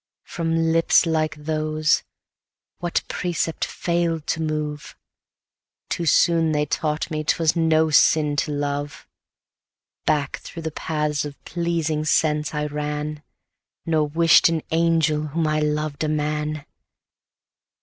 From lips like those, what precept fail'd to move? Too soon they taught me 'twas no sin to love: Back through the paths of pleasing sense I ran, Nor wish'd an angel whom I loved a man.